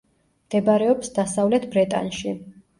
მდებარეობს დასავლეთ ბრეტანში.